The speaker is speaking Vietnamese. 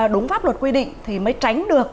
đúng pháp luật quy định thì mới tránh được